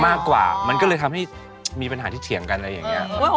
มากกว่ามันก็เลยทำให้มีปัญหาที่เถียงกันอะไรอย่างนี้